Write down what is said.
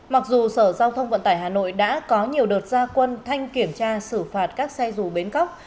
mặc dù sở giao thông vận tải hà nội đã có nhiều đợt gia quân thanh kiểm tra xử phạt các xe dù bến cóc